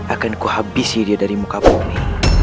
akan kuhabisi dia dari muka polri